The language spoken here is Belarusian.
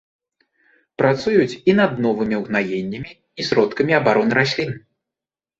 Працуюць і над новымі угнаеннямі і сродкамі абароны раслін.